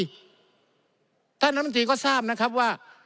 ท่านน้ำน้ำจีก็ทราบนะครับว่า